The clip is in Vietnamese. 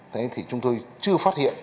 thế thì chúng tôi chưa phát hiện